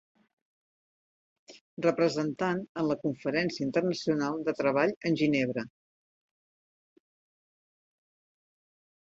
Representant en la Conferència Internacional de Treball en Ginebra.